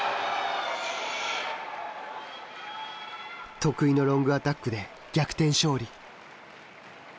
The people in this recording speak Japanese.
得意のロングアタックで逆転勝利。